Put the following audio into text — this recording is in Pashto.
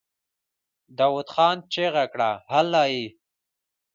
داوود خان چيغه کړه! هلئ!